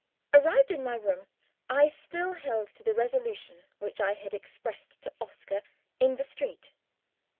Arrived in my room, I still held to the resolution which I had expressed to Oscar in the street.